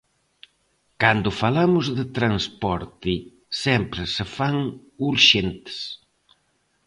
Cando falamos de transporte, sempre se fan urxentes.